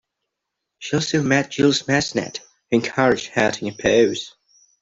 She also met Jules Massenet, who encouraged her to compose.